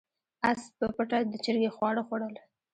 اس په پټه د چرګې خواړه خوړل.